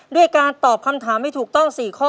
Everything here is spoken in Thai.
ด้วยการตอบคำถามให้ถูกต้อง๔ข้อ